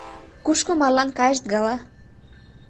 Кушко марлан кайышт гала?